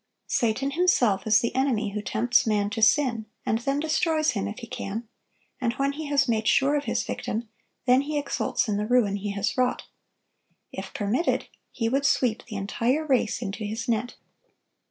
Satan himself is the enemy who tempts man to sin, and then destroys him if he can; and when he has made sure of his victim, then he exults in the ruin he has wrought. If permitted, he would sweep the entire race into his net.